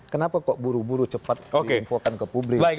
kenapa kok buru buru cepat diinfokan ke publik